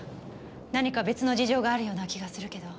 何か別の事情があるような気がするけど。